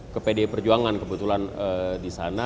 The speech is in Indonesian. ke pdi perjuangan kebetulan di sana